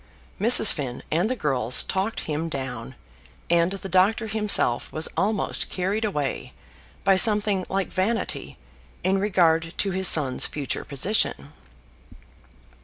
Mrs. Finn and the girls talked him down, and the doctor himself was almost carried away by something like vanity in regard to his son's future position.